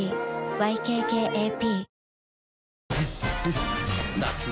ＹＫＫＡＰ